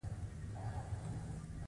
د زیار او زحمت پایله تل خوږه وي.